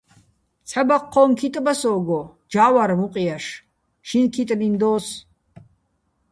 ცჰ̦ა ბაჴჴო́ჼ ქიტ ბა სო́გო, ჯა́ვარ მუყ ჲაშ, "შინქიტლიჼ" დო́ს.